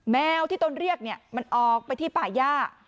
แมวที่ตนเรียกเนี่ยมันออกไปที่ป่าย่า